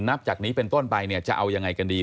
นับจากนี้เป็นต้นไปเนี่ยจะเอายังไงกันดี